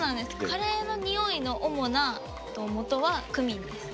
カレーの匂いの主なもとはクミンです。